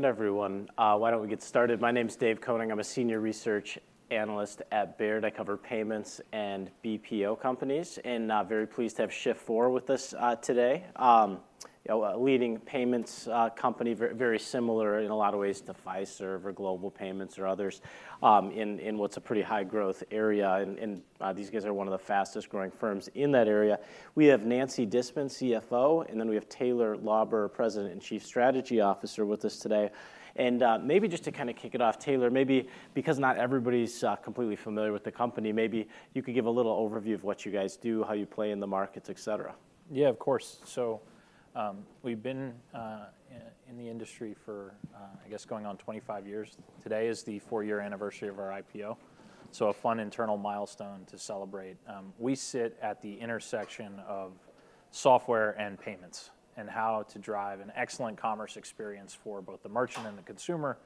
Good afternoon, everyone. Why don't we get started? My name's Dave Koning. I'm a Senior Research Analyst at Baird. I cover payments and BPO companies, and very pleased to have Shift4 with us today. You know, a leading payments company, very similar in a lot of ways to Fiserv or Global Payments or others, in what's a pretty high growth area, and these guys are one of the fastest growing firms in that area. We have Nancy Disman, CFO, and then we have Taylor Lauber, President and Chief Strategy Officer, with us today. Maybe just to kinda kick it off, Taylor, maybe because not everybody's completely familiar with the company, maybe you could give a little overview of what you guys do, how you play in the markets, et cetera. Yeah, of course. So, we've been in the industry for, I guess, going on 25 years. Today is the four year anniversary of our IPO, so a fun internal milestone to celebrate. We sit at the intersection of software and payments and how to drive an excellent commerce experience for both the merchant and the consumer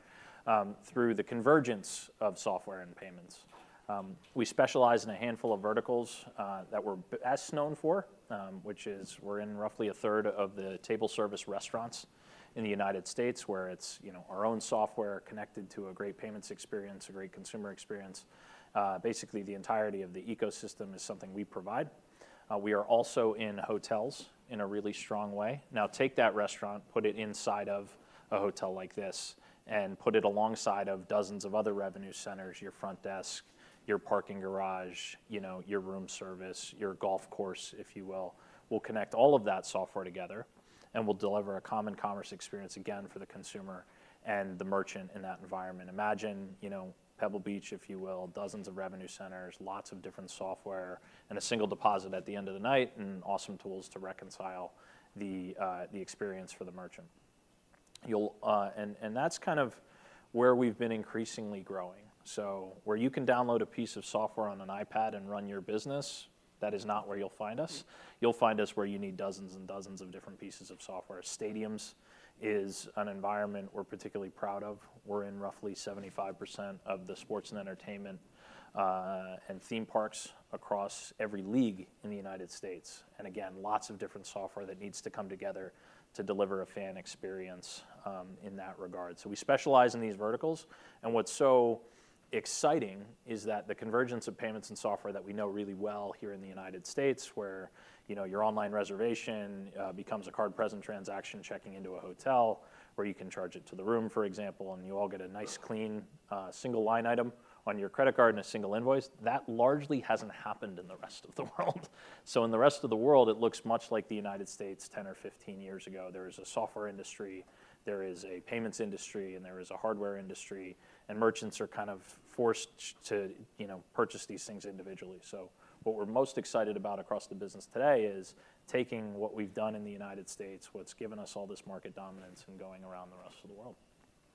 through the convergence of software and payments. We specialize in a handful of verticals that we're best known for, which is we're in roughly a third of the table service restaurants in the United States, where it's, you know, our own software connected to a great payments experience, a great consumer experience. Basically, the entirety of the ecosystem is something we provide. We are also in hotels in a really strong way. Now, take that restaurant, put it inside of a hotel like this, and put it alongside of dozens of other revenue centers: your front desk, your parking garage, you know, your room service, your golf course, if you will. We'll connect all of that software together, and we'll deliver a common commerce experience again for the consumer and the merchant in that environment. Imagine, you know, Pebble Beach, if you will, dozens of revenue centers, lots of different software, and a single deposit at the end of the night, and awesome tools to reconcile the experience for the merchant. You'll. And that's kind of where we've been increasingly growing. So where you can download a piece of software on an iPad and run your business, that is not where you'll find us. You'll find us where you need dozens and dozens of different pieces of software. Stadiums is an environment we're particularly proud of. We're in roughly 75% of the sports and entertainment, and theme parks across every league in the United States, and again, lots of different software that needs to come together to deliver a fan experience, in that regard. So we specialize in these verticals, and what's so exciting is that the convergence of payments and software that we know really well here in the United States, where, you know, your online reservation, becomes a card-present transaction, checking into a hotel, where you can charge it to the room, for example, and you all get a nice, clean, single line item on your credit card and a single invoice. That largely hasn't happened in the rest of the world. So in the rest of the world, it looks much like the United States 10 or 15 years ago. There is a software industry, there is a payments industry, and there is a hardware industry, and merchants are kind of forced to, you know, purchase these things individually. So what we're most excited about across the business today is taking what we've done in the United States, what's given us all this market dominance, and going around the rest of the world.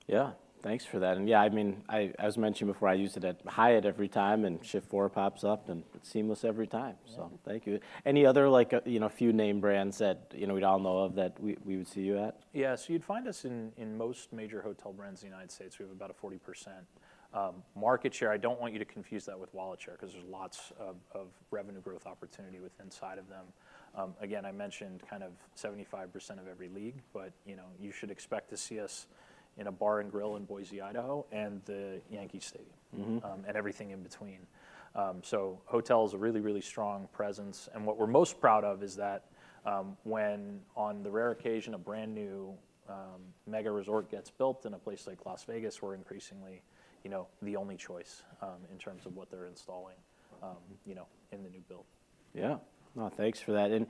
Yeah. Thanks for that. And yeah, I mean, I, as mentioned before, I use it at Hyatt every time, and Shift4 pops up, and it's seamless every time. Yeah. Thank you. Any other, like, you know, few name brands that, you know, we'd all know of that we would see you at? Yeah. So you'd find us in, in most major hotel brands in the United States. We have about a 40% market share. I don't want you to confuse that with wallet share, 'cause there's lots of, of revenue growth opportunity with inside of them. Again, I mentioned kind of 75% of every league, but, you know, you should expect to see us in a bar and grill in Boise, Idaho, and the Yankee Stadium- Mm-hmm... and everything in between. So hotel is a really, really strong presence, and what we're most proud of is that, when on the rare occasion a brand-new mega-resort gets built in a place like Las Vegas, we're increasingly, you know, the only choice in terms of what they're installing, you know, in the new build. Yeah. Well, thanks for that. And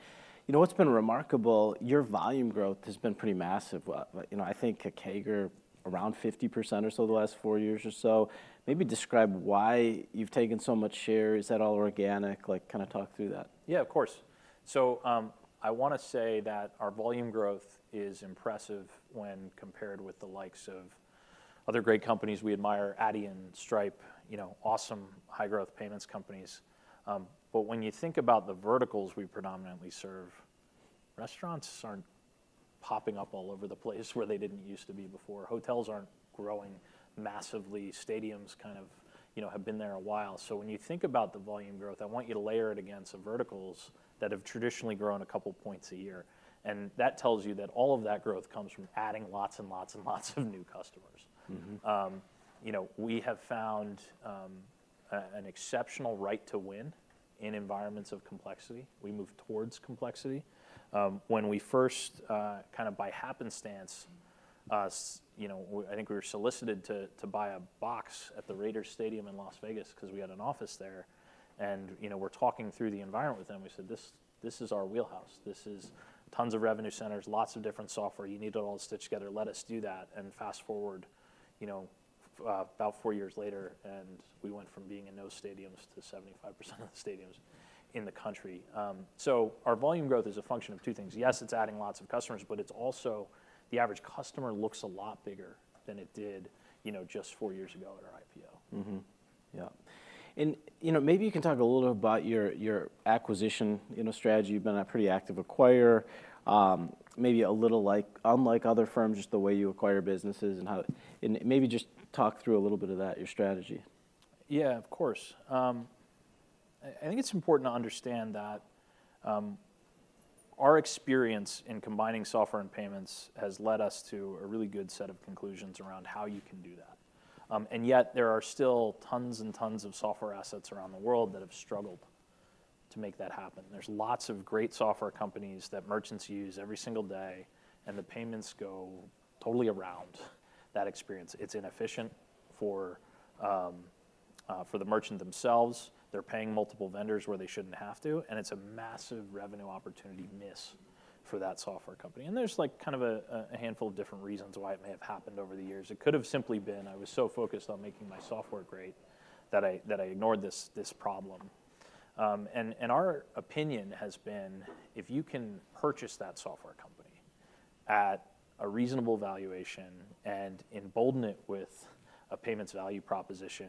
you know what's been remarkable? Your volume growth has been pretty massive. You know, I think a CAGR around 50% or so the last four years or so. Maybe describe why you've taken so much share. Is that all organic? Like, kinda talk through that. Yeah, of course. So, I wanna say that our volume growth is impressive when compared with the likes of other great companies we admire, Adyen, Stripe, you know, awesome high growth payments companies. But when you think about the verticals we predominantly serve, restaurants aren't popping up all over the place where they didn't used to be before. Hotels aren't growing massively. Stadiums kind of, you know, have been there a while. So when you think about the volume growth, I want you to layer it against the verticals that have traditionally grown a couple points a year, and that tells you that all of that growth comes from adding lots and lots and lots of new customers. Mm-hmm. You know, we have found an exceptional right to win in environments of complexity. We move towards complexity. When we first kind of by happenstance, you know, I think we were solicited to buy a box at the Raiders' stadium in Las Vegas, 'cause we had an office there, and, you know, we're talking through the environment with them. We said: "This is our wheelhouse. This is tons of revenue centers, lots of different software. You need it all stitched together. Let us do that," and fast-forward, you know, about four years later, and we went from being in no stadiums to 75% of the stadiums in the country. So our volume growth is a function of two things. Yes, it's adding lots of customers, but it's also, the average customer looks a lot bigger than it did, you know, just four years ago at our IPO. Mm-hmm. Yeah, and, you know, maybe you can talk a little about your, your acquisition, you know, strategy. You've been a pretty active acquirer. Maybe a little like, unlike other firms, just the way you acquire businesses and how... And maybe just talk through a little bit of that, your strategy. Yeah, of course. I think it's important to understand that. Our experience in combining software and payments has led us to a really good set of conclusions around how you can do that. And yet there are still tons and tons of software assets around the world that have struggled to make that happen. There's lots of great software companies that merchants use every single day, and the payments go totally around that experience. It's inefficient for the merchant themselves. They're paying multiple vendors where they shouldn't have to, and it's a massive revenue opportunity miss for that software company. And there's, like, kind of a handful of different reasons why it may have happened over the years. It could have simply been, "I was so focused on making my software great that I ignored this problem." And our opinion has been, if you can purchase that software company at a reasonable valuation and embolden it with a payments value proposition,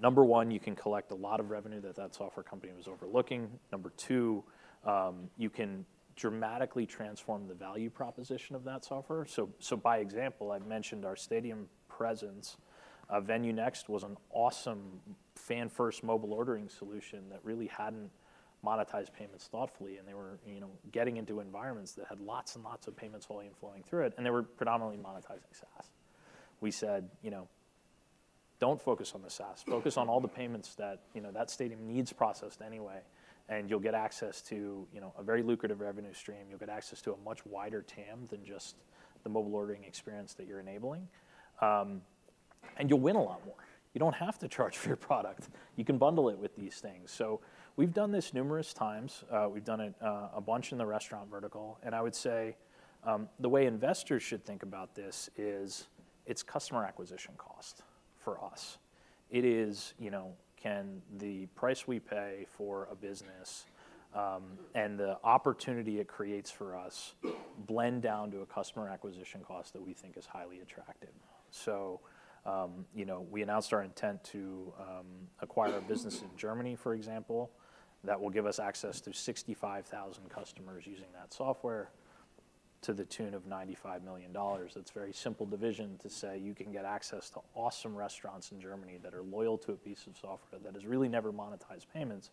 number one, you can collect a lot of revenue that that software company was overlooking. Number two, you can dramatically transform the value proposition of that software. So by example, I've mentioned our stadium presence. VenueNext was an awesome fan first mobile ordering solution that really hadn't monetized payments thoughtfully, and they were, you know, getting into environments that had lots and lots of payments flowing through it, and they were predominantly monetizing SaaS. We said, "You know, don't focus on the SaaS. Focus on all the payments that, you know, that stadium needs processed anyway, and you'll get access to, you know, a very lucrative revenue stream. You'll get access to a much wider TAM than just the mobile ordering experience that you're enabling. And you'll win a lot more. You don't have to charge for your product. You can bundle it with these things." So we've done this numerous times. We've done it a bunch in the restaurant vertical, and I would say, the way investors should think about this is it's customer acquisition cost for us. It is, you know, can the price we pay for a business, and the opportunity it creates for us blend down to a customer acquisition cost that we think is highly attractive? So, you know, we announced our intent to acquire a business in Germany, for example, that will give us access to 65,000 customers using that software to the tune of $95 million. It's very simple division to say you can get access to awesome restaurants in Germany that are loyal to a piece of software that has really never monetized payments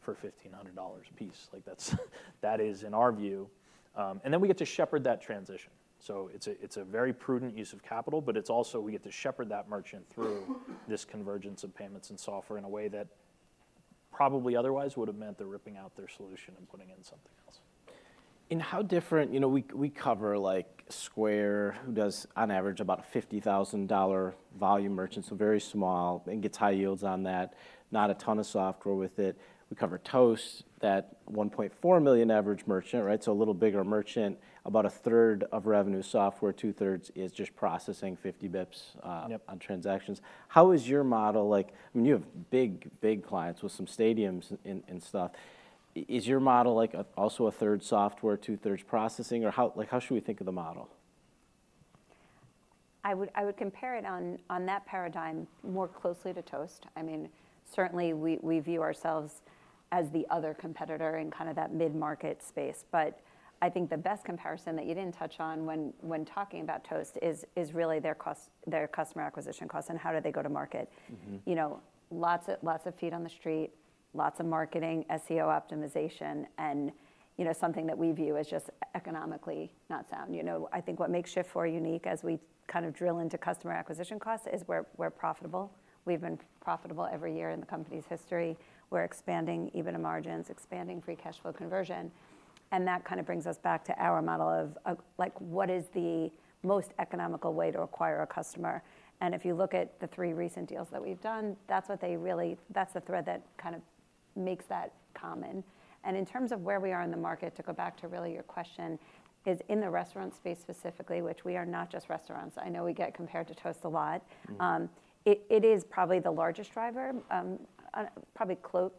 for $1,500 a piece. Like, that's, that is in our view. And then we get to shepherd that transition. So it's a, it's a very prudent use of capital, but it's also we get to shepherd that merchant through this convergence of payments and software in a way that probably otherwise would have meant they're ripping out their solution and putting in something else. And how different... You know, we, we cover, like, Square, who does on average about a $50,000 volume merchant, so very small, and gets high yields on that. Not a ton of software with it. We cover Toast, that $1.4 million average merchant, right? So a little bigger merchant, about a third of revenue software, two-thirds is just processing 50 basis points. Yep ...on transactions. How is your model like... I mean, you have big, big clients with some stadiums and, and stuff. Is your model like a- also a third software, two-thirds processing, or how, like, how should we think of the model? I would, I would compare it on, on that paradigm more closely to Toast. I mean, certainly we, we view ourselves as the other competitor in kind of that mid-market space. But I think the best comparison that you didn't touch on when, when talking about Toast is, is really their cost, their customer acquisition cost and how do they go to market. Mm-hmm. You know, lots of, lots of feet on the street, lots of marketing, SEO optimization, and, you know, something that we view as just economically not sound. You know, I think what makes Shift4 unique, as we kind of drill into customer acquisition costs, is we're, we're profitable. We've been profitable every year in the company's history. We're expanding EBITDA margins, expanding free cash flow conversion, and that kind of brings us back to our model of, like, what is the most economical way to acquire a customer? And if you look at the three recent deals that we've done, that's what they really-- that's the thread that kind of makes that common. In terms of where we are in the market, to go back to really your question, is in the restaurant space specifically, which we are not just restaurants. I know we get compared to Toast a lot. Mm. It is probably the largest driver, probably global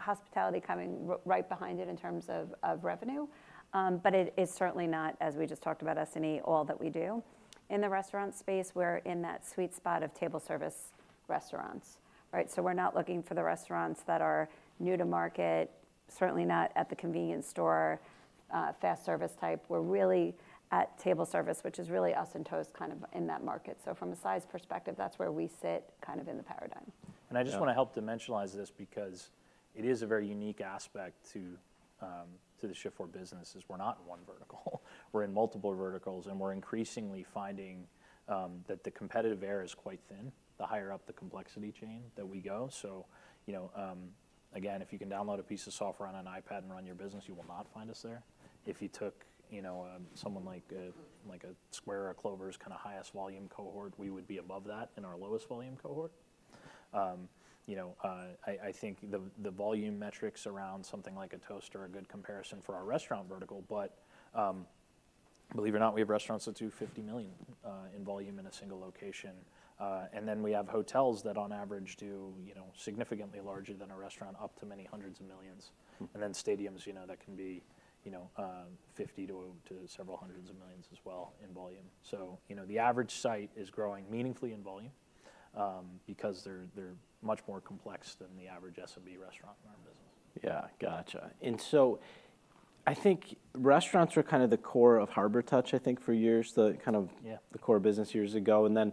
hospitality coming right behind it in terms of revenue. But it is certainly not, as we just talked about, the be-all and end-all of all that we do. In the restaurant space, we're in that sweet spot of table service restaurants, right? So we're not looking for the restaurants that are new to market, certainly not at the convenience store, fast service type. We're really at table service, which is really us and Toast kind of in that market. So from a size perspective, that's where we sit kind of in the paradigm. And I just— Yeah... wanna help dimensionalize this because it is a very unique aspect to the Shift4 business, is we're not in one vertical. We're in multiple verticals, and we're increasingly finding that the competitive air is quite thin, the higher up the complexity chain that we go. So, you know, again, if you can download a piece of software on an iPad and run your business, you will not find us there. If you took, you know, someone like a Square or Clover's kinda highest volume cohort, we would be above that in our lowest volume cohort. You know, I think the volume metrics around something like a Toast are a good comparison for our restaurant vertical, but believe it or not, we have restaurants that do $50 million in volume in a single location. And then we have hotels that on average do, you know, significantly larger than a restaurant, up to $many hundreds of millions. Mm. And then stadiums, you know, that can be, you know, $50 million to several hundred million as well in volume. So, you know, the average site is growing meaningfully in volume, because they're much more complex than the average SMB restaurant in our business. Yeah, gotcha. And so I think restaurants were kind of the core of Harbortouch, I think, for years, the kind of- Yeah the core business years ago. And then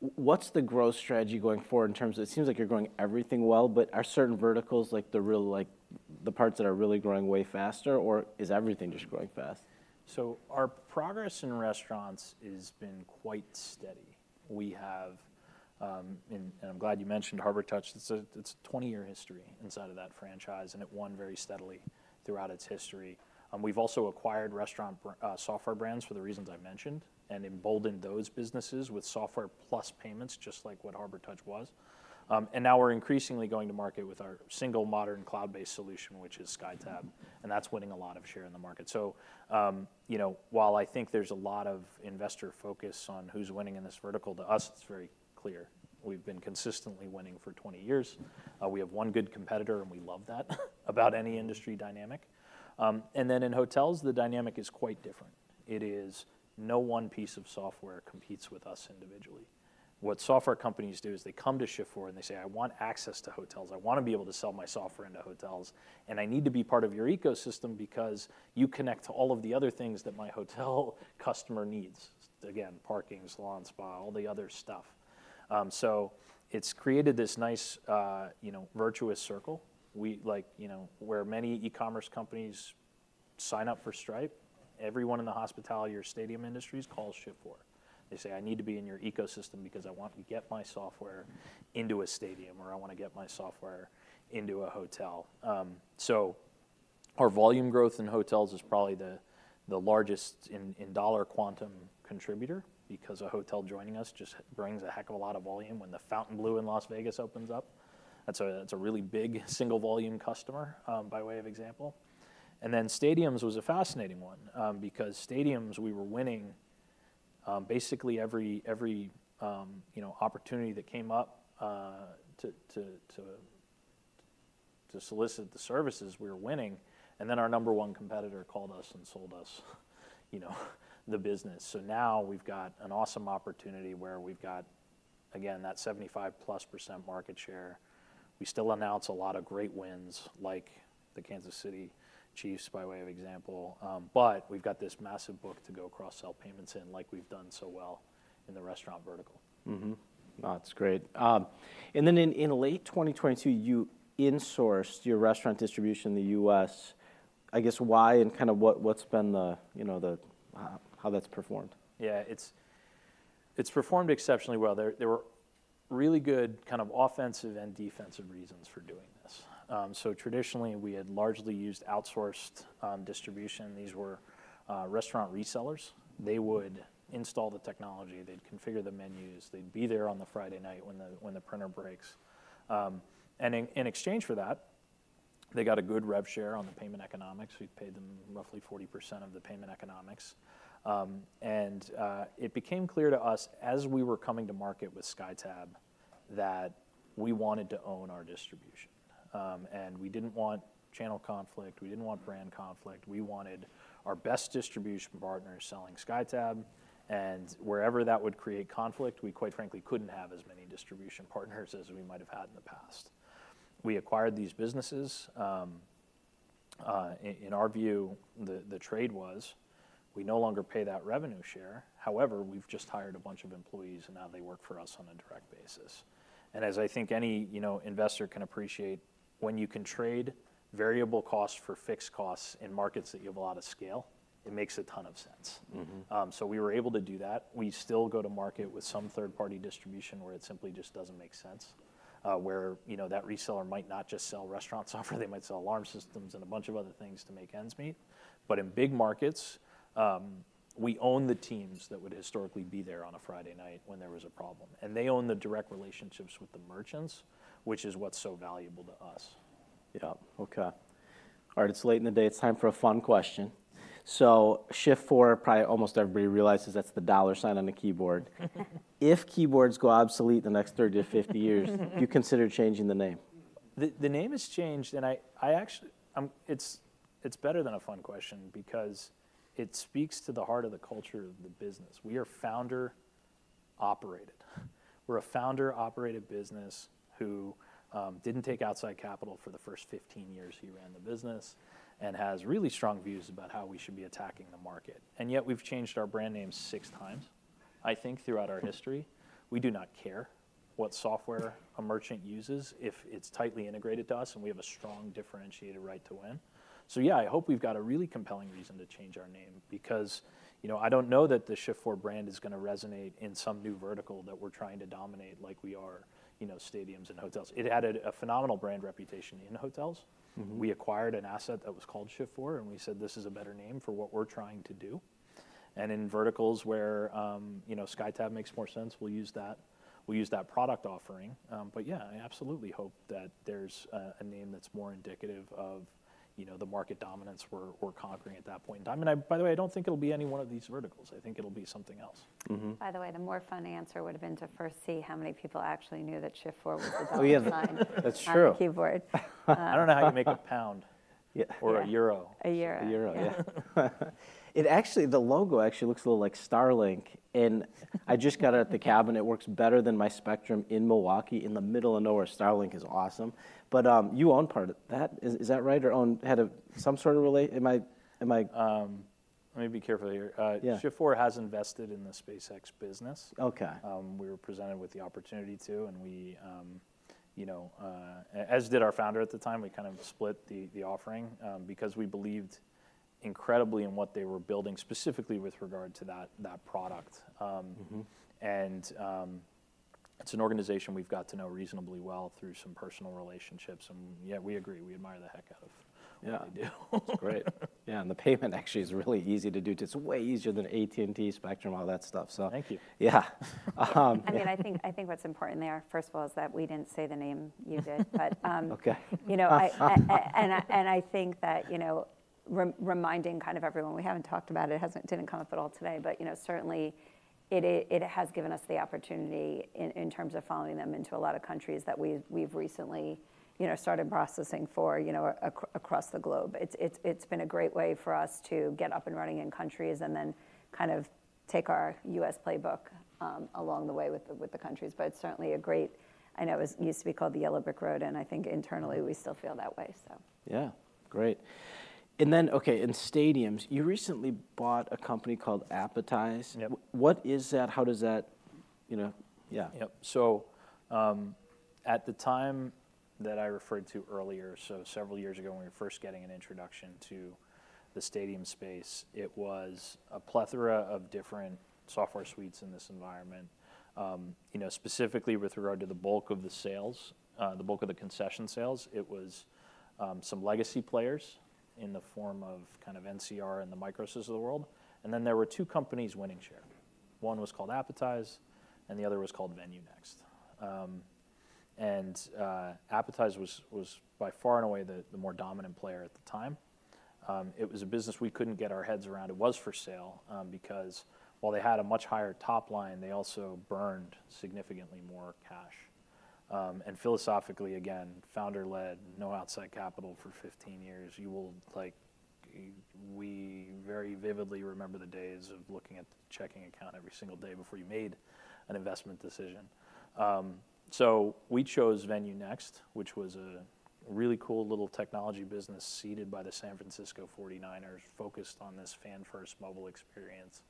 what's the growth strategy going forward in terms of, it seems like you're growing everything well, but are certain verticals like the real, like, the parts that are really growing way faster, or is everything just growing fast? So our progress in restaurants has been quite steady. We have, and I'm glad you mentioned Harbortouch. It's a 20-year history inside of that franchise, and it won very steadily throughout its history. We've also acquired restaurant software brands for the reasons I've mentioned, and emboldened those businesses with software plus payments, just like what Harbortouch was. And now we're increasingly going to market with our single modern cloud-based solution, which is SkyTab, and that's winning a lot of share in the market. So, you know, while I think there's a lot of investor focus on who's winning in this vertical, to us, it's very clear. We've been consistently winning for 20 years. We have one good competitor, and we love that about any industry dynamic. And then in hotels, the dynamic is quite different. It is no one piece of software competes with us individually. What software companies do is they come to Shift4, and they say, "I want access to hotels. I want to be able to sell my software into hotels, and I need to be part of your ecosystem because you connect to all of the other things that my hotel customer needs." Again, parking, salon, spa, all the other stuff. So it's created this nice, you know, virtuous circle. We like, you know, where many e-commerce companies sign up for Stripe, everyone in the hospitality or stadium industries call Shift4. They say, "I need to be in your ecosystem because I want to get my software into a stadium, or I want to get my software into a hotel." So our volume growth in hotels is probably the largest in dollar quantum contributor because a hotel joining us just brings a heck of a lot of volume. When the Fontainebleau in Las Vegas opens up, that's a really big single volume customer, by way of example. And then stadiums was a fascinating one, because stadiums, we were winning basically every opportunity that came up to solicit the services we were winning, and then our number one competitor called us and sold us, you know, the business. So now we've got an awesome opportunity where we've got, again, that 75%+ market share. We still announce a lot of great wins, like the Kansas City Chiefs, by way of example, but we've got this massive book to go cross-sell payments in, like we've done so well in the restaurant vertical. Mm-hmm. No, that's great. And then in late 2022, you insourced your restaurant distribution in the US. I guess why, and kind of what, what's been the, you know, how that's performed? Yeah, it's performed exceptionally well. There were really good kind of offensive and defensive reasons for doing this. So traditionally, we had largely used outsourced distribution. These were restaurant resellers. They would install the technology, they'd configure the menus, they'd be there on the Friday night when the printer breaks. And in exchange for that, they got a good rev share on the payment economics. We paid them roughly 40% of the payment economics. And it became clear to us as we were coming to market with SkyTab, that we wanted to own our distribution. And we didn't want channel conflict, we didn't want brand conflict. We wanted our best distribution partners selling SkyTab, and wherever that would create conflict, we quite frankly couldn't have as many distribution partners as we might have had in the past. We acquired these businesses. In our view, the trade was we no longer pay that revenue share. However, we've just hired a bunch of employees, and now they work for us on a direct basis. As I think any, you know, investor can appreciate, when you can trade variable costs for fixed costs in markets that you have a lot of scale, it makes a ton of sense. Mm-hmm. So we were able to do that. We still go to market with some third-party distribution, where it simply just doesn't make sense, where, you know, that reseller might not just sell restaurant software, they might sell alarm systems and a bunch of other things to make ends meet. But in big markets, we own the teams that would historically be there on a Friday night when there was a problem, and they own the direct relationships with the merchants, which is what's so valuable to us. Yeah. Okay. All right, it's late in the day, it's time for a fun question. So Shift4, probably almost everybody realizes that's the dollar sign on the keyboard. If keyboards go obsolete in the next 30-50 years, do you consider changing the name? The name is changed, and I actually, it's better than a fun question because it speaks to the heart of the culture of the business. We are founder-operated. We're a founder-operated business who didn't take outside capital for the first 15 years he ran the business, and has really strong views about how we should be attacking the market, and yet we've changed our brand name 6 times. I think throughout our history, we do not care what software a merchant uses, if it's tightly integrated to us, and we have a strong, differentiated right to win. So yeah, I hope we've got a really compelling reason to change our name because, you know, I don't know that the Shift4 brand is gonna resonate in some new vertical that we're trying to dominate like we are, you know, stadiums and hotels. It added a phenomenal brand reputation in hotels. Mm-hmm. We acquired an asset that was called Shift4, and we said, "This is a better name for what we're trying to do." In verticals where, you know, SkyTab makes more sense, we'll use that, we'll use that product offering. But yeah, I absolutely hope that there's a name that's more indicative of, you know, the market dominance we're conquering at that point in time. And I, by the way, I don't think it'll be any one of these verticals. I think it'll be something else. Mm-hmm. By the way, the more fun answer would have been to first see how many people actually knew that Shift4 was the dollar sign- Oh, yeah, that's true. - on the keyboard. I don't know how you make a pound- Yeah. or a euro. A euro. A euro, yeah. It actually, the logo actually looks a little like Starlink, and I just got it at the cabin. It works better than my Spectrum in Milwaukee, in the middle of nowhere. Starlink is awesome, but you own part of that. Is that right? Or own, had some sort of relate... Am I... Let me be careful here. Yeah. Shift4 has invested in the SpaceX business. Okay. We were presented with the opportunity to, and we, you know, as did our founder at the time, we kind of split the offering, because we believed incredibly in what they were building, specifically with regard to that, that product. Mm-hmm. It's an organization we've got to know reasonably well through some personal relationships, and yeah, we agree. We admire the heck out of- Yeah. what they do. That's great. Yeah, and the payment actually is really easy to do too. It's way easier than AT&T, Spectrum, all that stuff, so- Thank you. Yeah. Um- I mean, I think, I think what's important there, first of all, is that we didn't say the name, you did. But, Okay. You know, and I think that, you know, reminding kind of everyone, we haven't talked about it. It hasn't. It didn't come up at all today, but, you know, certainly it has given us the opportunity in terms of following them into a lot of countries that we've recently, you know, started processing for, you know, across the globe. It's been a great way for us to get up and running in countries, and then kind of take our U.S. playbook along the way with the countries. But it's certainly a great... I know it used to be called the Yellow Brick Road, and I think internally, we still feel that way, so. Yeah, great. And then, okay, in stadiums, you recently bought a company called Appetize. Yep. What is that? How does that, you know... Yeah. Yep. So at the time that I referred to earlier, so several years ago when we were first getting an introduction to the stadium space, it was a plethora of different software suites in this environment. You know, specifically with regard to the bulk of the sales, the bulk of the concession sales, it was some legacy players in the form of kind of NCR and the Micros of the world, and then there were two companies winning share. One was called Appetize, and the other was called VenueNext. And Appetize was by far and away the more dominant player at the time. It was a business we couldn't get our heads around. It was for sale because while they had a much higher top line, they also burned significantly more cash. And philosophically, again, founder-led, no outside capital for 15 years, we very vividly remember the days of looking at the checking account every single day before you made an investment decision. So we chose VenueNext, which was a really cool little technology business seeded by the San Francisco 49ers, focused on this fan-first mobile experience.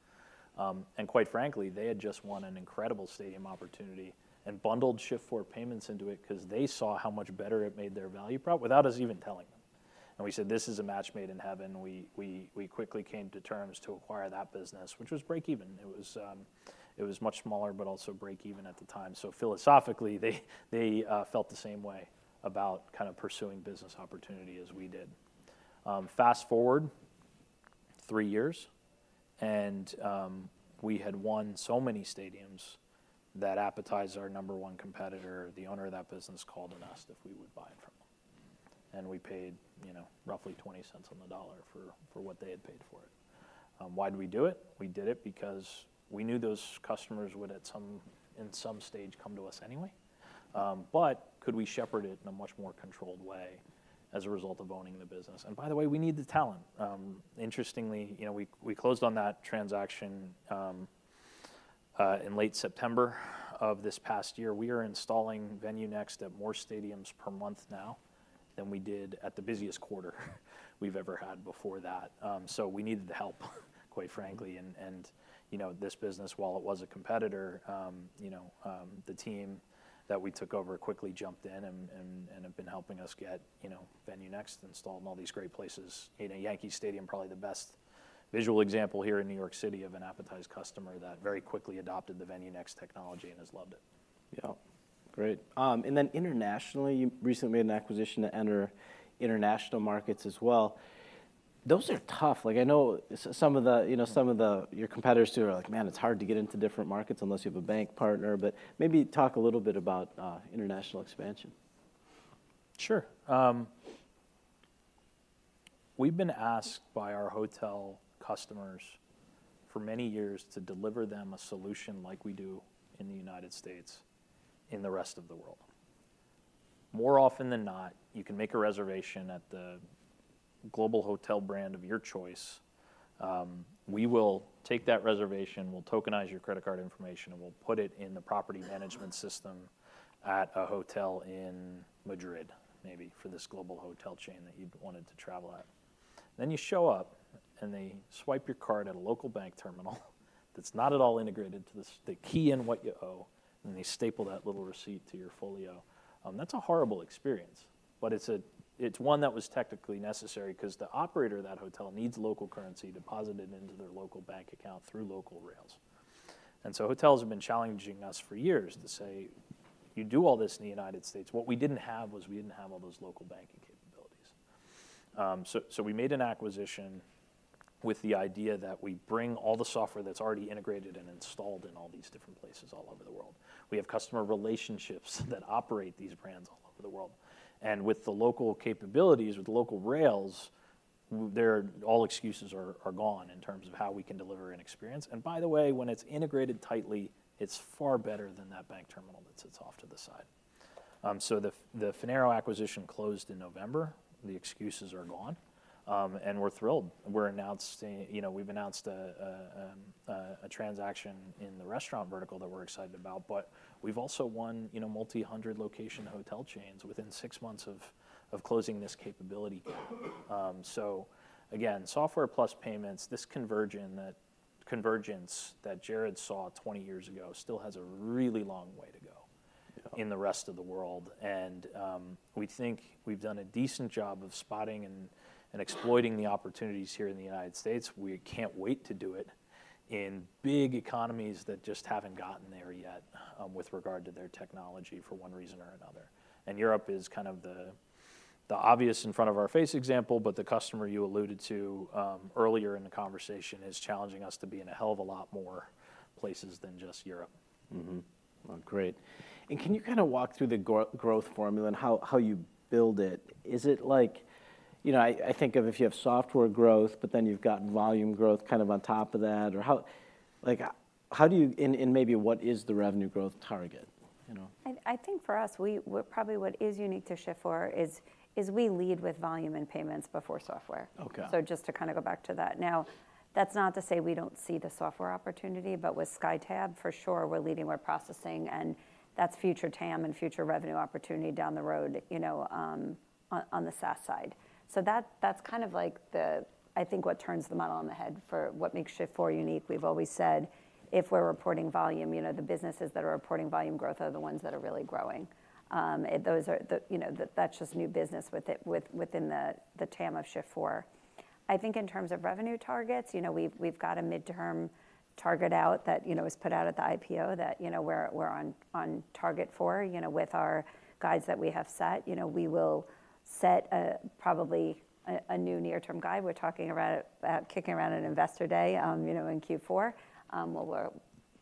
And quite frankly, they had just won an incredible stadium opportunity and bundled Shift4 Payments into it 'cause they saw how much better it made their value prop without us even telling them. And we said, "This is a match made in heaven." We quickly came to terms to acquire that business, which was break even. It was much smaller, but also break even at the time. So philosophically, they felt the same way about kind of pursuing business opportunity as we did. Fast-forward three years, and we had won so many stadiums that Appetize, our number one competitor, the owner of that business, called and asked if we would buy it from them. And we paid, you know, roughly $0.20 on the dollar for what they had paid for it. Why'd we do it? We did it because we knew those customers would in some stage come to us anyway. But could we shepherd it in a much more controlled way as a result of owning the business? And by the way, we need the talent. Interestingly, you know, we closed on that transaction in late September of this past year. We are installing VenueNext at more stadiums per month now than we did at the busiest quarter we've ever had before that. So we needed the help, quite frankly, and, you know, this business, while it was a competitor, you know, the team that we took over quickly jumped in and have been helping us get, you know, VenueNext installed in all these great places. In a Yankee Stadium, probably the best visual example here in New York City of an Appetize customer that very quickly adopted the VenueNext technology and has loved it. Yep, great. And then internationally, you recently made an acquisition to enter international markets as well. Those are tough. Like, I know some of the, you know, some of the... Your competitors too are like, "Man, it's hard to get into different markets unless you have a bank partner." But maybe talk a little bit about international expansion. Sure. We've been asked by our hotel customers for many years to deliver them a solution like we do in the United States, in the rest of the world. More often than not, you can make a reservation at the global hotel brand of your choice. We will take that reservation, we'll tokenize your credit card information, and we'll put it in the property management system at a hotel in Madrid, maybe for this global hotel chain that you'd wanted to travel at. Then you show up, and they swipe your card at a local bank terminal that's not at all integrated to the system. They key in what you owe, and then they staple that little receipt to your folio. That's a horrible experience, but it's a, it's one that was technically necessary 'cause the operator of that hotel needs local currency deposited into their local bank account through local rails. So hotels have been challenging us for years to say: You do all this in the United States. What we didn't have was we didn't have all those local banking capabilities. So we made an acquisition with the idea that we bring all the software that's already integrated and installed in all these different places all over the world. We have customer relationships that operate these brands all over the world, and with the local capabilities, with the local rails, they're all excuses are gone in terms of how we can deliver an experience. And by the way, when it's integrated tightly, it's far better than that bank terminal that sits off to the side. So the Finaro acquisition closed in November. The excuses are gone, and we're thrilled. We're announcing, you know, we've announced a transaction in the restaurant vertical that we're excited about, but we've also won, you know, multi-hundred-location hotel chains within 6 months of closing this capability gap. So again, software plus payments, this convergence that Jared saw 20 years ago still has a really long way to go- Yeah in the rest of the world. We think we've done a decent job of spotting and exploiting the opportunities here in the United States. We can't wait to do it in big economies that just haven't gotten there yet, with regard to their technology, for one reason or another. Europe is kind of the obvious in front of our face example, but the customer you alluded to earlier in the conversation is challenging us to be in a hell of a lot more places than just Europe. Mm-hmm. Well, great. And can you kinda walk through the growth formula and how, how you build it? Is it like... You know, I, I think of if you have software growth, but then you've got volume growth kind of on top of that, or how, like, how do you, and, and maybe what is the revenue growth target, you know? I think for us, well, probably what is unique to Shift4 is we lead with volume and payments before software. Okay. So just to kinda go back to that. Now, that's not to say we don't see the software opportunity, but with SkyTab, for sure, we're leading more processing, and that's future TAM and future revenue opportunity down the road, you know, on, on the SaaS side. So that, that's kind of like the... I think what turns the model on the head for what makes Shift4 unique. We've always said, if we're reporting volume, you know, the businesses that are reporting volume growth are the ones that are really growing. And those are the- you know, the- that's just new business with it, with- within the, the TAM of Shift4. I think in terms of revenue targets, you know, we've got a midterm target out that, you know, was put out at the IPO, that, you know, we're on target for, you know, with our guides that we have set. You know, we will set probably a new near-term guide. We're talking about kicking around an Investor Day, you know, in Q4. Well, we're-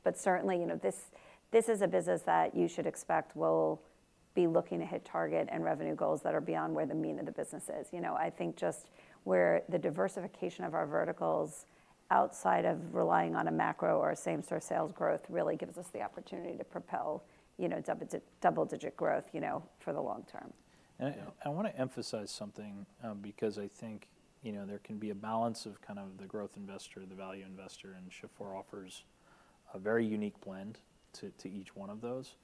but certainly, you know, this is a business that you should expect we'll be looking to hit target and revenue goals that are beyond where the mean of the business is. You know, I think just where the diversification of our verticals outside of relying on a macro or a same-store sales growth really gives us the opportunity to propel, you know, double-digit growth, you know, for the long term. And I wanna emphasize something, because I think, you know, there can be a balance of kind of the growth investor, the value investor, and Shift4 offers a very unique blend to each one of those.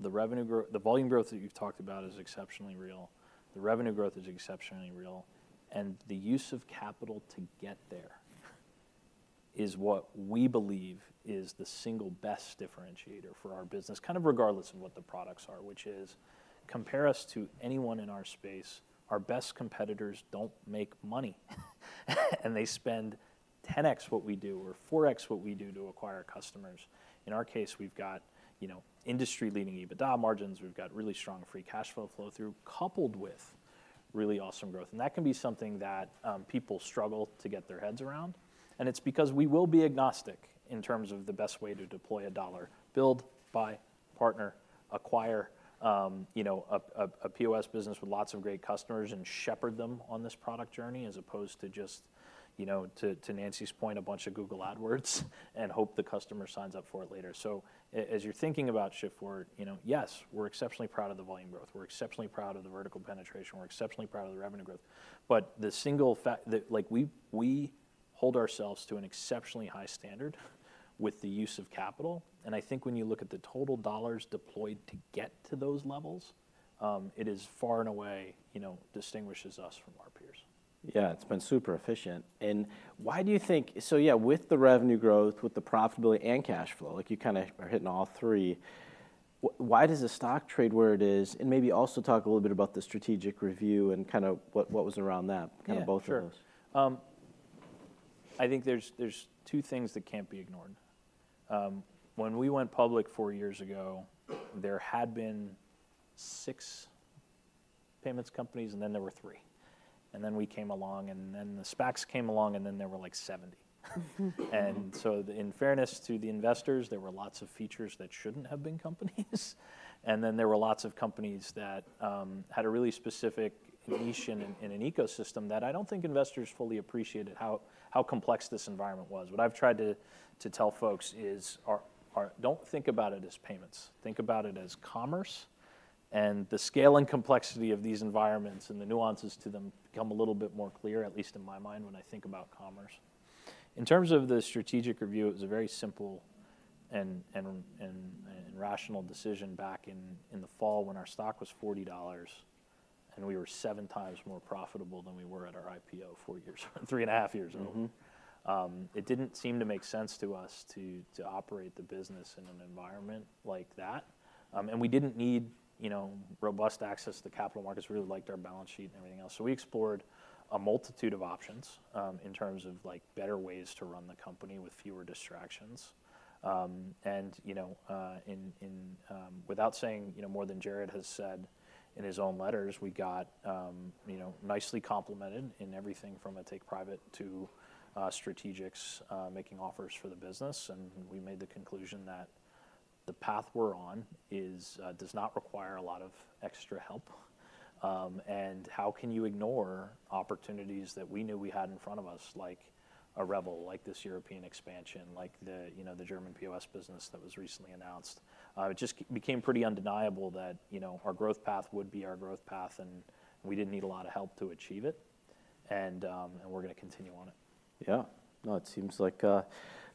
The volume growth that you've talked about is exceptionally real. The revenue growth is exceptionally real, and the use of capital to get there is what we believe is the single best differentiator for our business, kind of regardless of what the products are, which is, compare us to anyone in our space, our best competitors don't make money. And they spend 10x what we do, or 4x what we do to acquire customers. In our case, we've got, you know, industry-leading EBITDA margins, we've got really strong free cash flow through, coupled with really awesome growth. That can be something that people struggle to get their heads around, and it's because we will be agnostic in terms of the best way to deploy a dollar, build, buy, partner, acquire, you know, a POS business with lots of great customers and shepherd them on this product journey, as opposed to just, you know, to Nancy's point, a bunch of Google Ads and hope the customer signs up for it later. So as you're thinking about Shift4, you know, yes, we're exceptionally proud of the volume growth. We're exceptionally proud of the vertical penetration. We're exceptionally proud of the revenue growth. But the single fact, the... Like, we hold ourselves to an exceptionally high standard with the use of capital, and I think when you look at the total dollars deployed to get to those levels, it is far and away, you know, distinguishes us from our peers. Yeah, it's been super efficient. And why do you think so yeah, with the revenue growth, with the profitability and cash flow, like you kinda are hitting all three, why does the stock trade where it is? And maybe also talk a little bit about the strategic review and kinda what, what was around that, kind of both of those. Yeah, sure. I think there's two things that can't be ignored. When we went public four years ago, there had been six payments companies, and then there were three. And then we came along, and then the SPACs came along, and then there were, like, 70. And so in fairness to the investors, there were lots of features that shouldn't have been companies. And then there were lots of companies that had a really specific niche in an ecosystem that I don't think investors fully appreciated how complex this environment was. What I've tried to tell folks is: don't think about it as payments, think about it as commerce, and the scale and complexity of these environments and the nuances to them become a little bit more clear, at least in my mind, when I think about commerce. In terms of the strategic review, it was a very simple and rational decision back in the fall when our stock was $40, and we were seven times more profitable than we were at our IPO four years, three and a half years ago. Mm-hmm. It didn't seem to make sense to us to operate the business in an environment like that. And we didn't need, you know, robust access to capital markets. We really liked our balance sheet and everything else. So we explored a multitude of options, in terms of, like, better ways to run the company with fewer distractions. Without saying, you know, more than Jared has said in his own letters, we got, you know, nicely complimented in everything from a take private to strategics making offers for the business, and we made the conclusion that the path we're on is does not require a lot of extra help. And how can you ignore opportunities that we knew we had in front of us, like a Revel, like this European expansion, like the, you know, the German POS business that was recently announced? It just became pretty undeniable that, you know, our growth path would be our growth path, and we didn't need a lot of help to achieve it. And we're gonna continue on it. Yeah. Well, it seems like a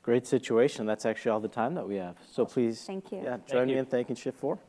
great situation. That's actually all the time that we have. So please- Thank you. Yeah Thank you. Join me in thanking Shift4?